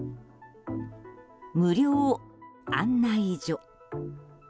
無料案内所。